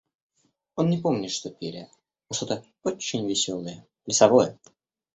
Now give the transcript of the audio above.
Он не помнит, что пели, но что-то очень веселое, плясовое.